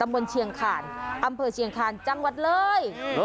ตำนวนเชียงข่านอำเภอเชียงข่านจังวัดเลย